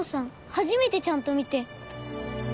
初めてちゃんと見て。